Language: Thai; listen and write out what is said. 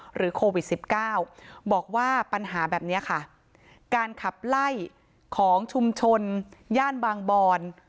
หรือโควิดสิบเก้าบอกว่าปัญหาแบบเนี้ยค่ะการขับไล่ของชุมชนย่านบางบร